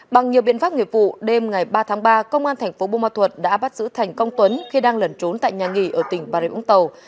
bằng nhiều biện pháp nghiệp vụ đêm ngày ba tháng ba công an thành phố bô ma thuật đã bắt giữ thành công tuấn khi đang lẩn trốn tại nhà nghỉ ở tỉnh bà rịa úng tàu